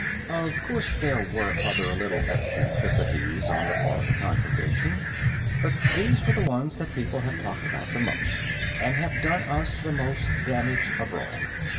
Of course there were other little eccentricities on the part of the congregation, but these were the ones that people have talked about the most, and have done us the most damage abroad.